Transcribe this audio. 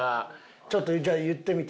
ちょっとじゃあ言ってみて。